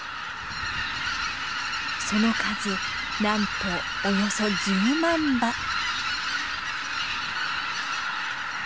その数なんとおよそ１０万羽。